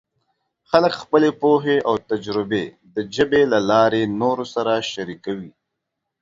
خلک خپلې پوهې او تجربې د ژبې له لارې نورو سره شریکوي.